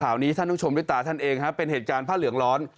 นี้ท่านต้องชมด้วยตาท่านเองฮะเป็นเหตุการณ์ผ้าเหลืองร้อน